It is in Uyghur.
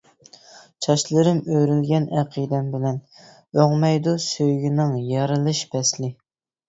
چاچلىرىم ئۆرۈلگەن ئەقىدەم بىلەن، ئۆڭمەيدۇ سۆيگۈنىڭ يارىلىش پەسلى.